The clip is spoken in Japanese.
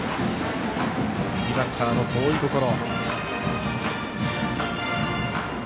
右バッターの遠いところ。